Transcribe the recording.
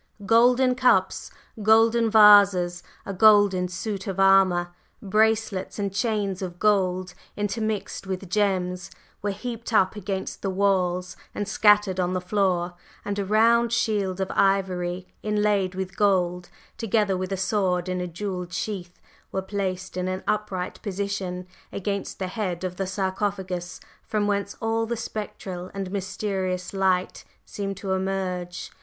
Golden cups, golden vases, a golden suit of armor, bracelets and chains of gold intermixed with gems, were heaped up against the walls and scattered on the floor; and a round shield of ivory inlaid with gold, together with a sword in a jewelled sheath, were placed in an upright position against the head of the sarcophagus, from whence all the spectral and mysterious light seemed to emerge.